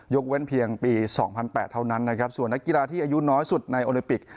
เว้นเพียงปี๒๐๐๘เท่านั้นนะครับส่วนนักกีฬาที่อายุน้อยสุดในโอลิปิก